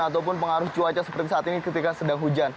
ataupun pengaruh cuaca seperti saat ini ketika sedang hujan